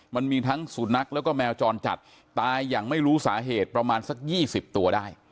มันมีทั้งสุนัขแล้วก็แมวจรจัดตายอย่างไม่รู้สาเหตุประมาณสัก๒๐ตัวได้